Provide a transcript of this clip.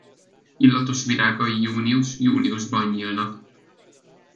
Illatos virágai június-júliusban nyílnak.